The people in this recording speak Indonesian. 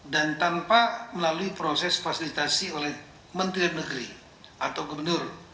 dan tanpa melalui proses fasilitasi oleh menteri negeri atau gubernur